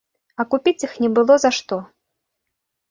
А купіць іх не было за што.